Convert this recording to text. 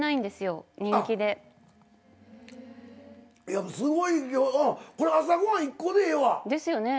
いやすごいうんこれ朝ご飯１個でええわ。ですよね。